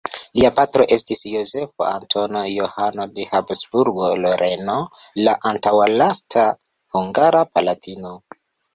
Lia patro estis Jozefo Antono Johano de Habsburgo-Loreno, la antaŭlasta hungara palatino.